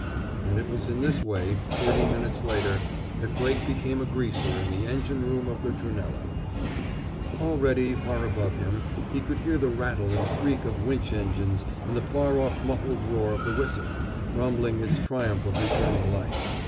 And it was in this way, thirty minutes later, that Blake became a greaser in the engine room of the Trunella. Already, far above him, he could hear the rattle and shriek of winch engines and the far off muffled roar of the whistle, rumbling its triumph of returning life.